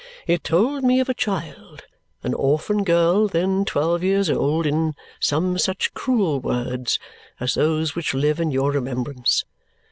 It told me of a child, an orphan girl then twelve years old, in some such cruel words as those which live in your remembrance.